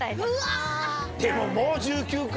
でももう１９か。